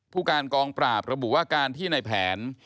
ผู้การกองปราบระบุว่าการที่ในแผน